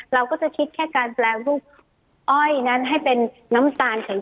เราก็จะคิดแค่การแปรรูปอ้อยนั้นให้เป็นน้ำตาลแข็ง